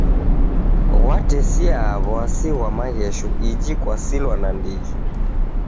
Ghwatesia w'asi ghwa maghesho iji kwasilwa nandighi.